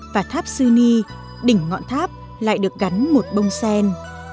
và tháp sư ni đỉnh ngọn tháp lại được gắn một bông sen